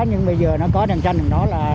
nhưng bây giờ nó có đèn xanh đèn đỏ là